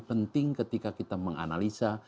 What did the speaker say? penting ketika kita menganalisa